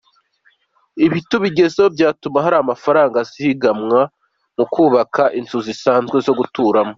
Ibi tubigezeho byatuma hari amafaranga azigamwa mu kubaka inzu zisanzwe zo guturamo.